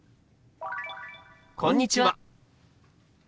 「こんにちは」。